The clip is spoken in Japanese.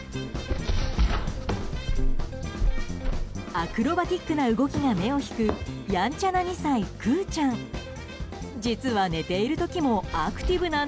アクロバティックな動きが目を引く、やんちゃな２歳クゥちゃん。